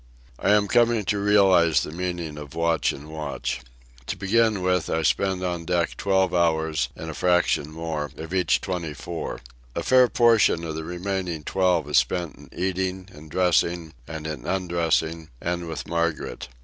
I am coming to realize the meaning of watch and watch. To begin with, I spend on deck twelve hours, and a fraction more, of each twenty four. A fair portion of the remaining twelve is spent in eating, in dressing, and in undressing, and with Margaret.